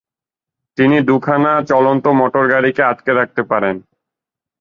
তিনি দু'খানা চলন্ত মোটর গাড়ীকে আটকে রাখতে পারতেন।